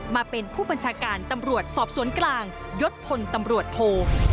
มาเป็นผู้บัญชาการตำรวจสอบสวนกลางยศพลตำรวจโท